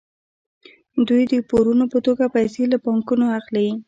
دوی د پورونو په توګه پیسې له بانکونو اخلي